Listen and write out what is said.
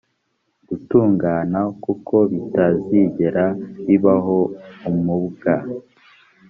gutungana kuko bitazigera bibaho umubw